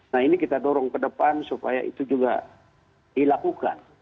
nah ini kita dorong ke depan supaya itu juga dilakukan